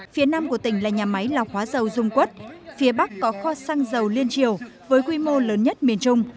phía nam của tỉnh là nhà máy lọc hóa dầu dung quất phía bắc có kho xăng dầu liên triều với quy mô lớn nhất miền trung